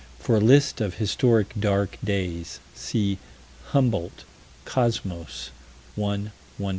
For a list of historic "dark days," see Humboldt, Cosmos, 1 120.